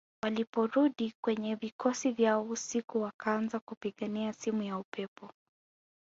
Waliporudi kwenye vikosi vyao usiku wakaanza kupigiana simu ya upepo